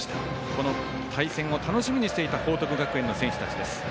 この対戦を楽しみにしていた報徳学園の選手たちです。